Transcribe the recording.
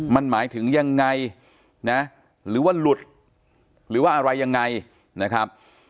มันหมายถึงยังไงนะหรือว่าหลุดหรือว่าอะไรยังไงนะครับ